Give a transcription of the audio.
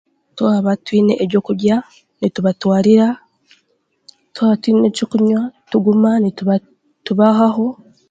Twaba twine ebyokurya nitubatwarira twaba twine ekyokunywa tuguma nituba tubahaho